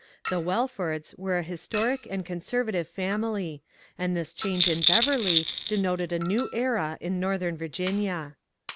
The Wellfords were a historic and conservative family, and this change in Beverly denoted a new era in northern Virginia.